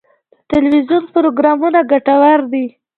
د تلویزیون پروګرامونه ګټور دي.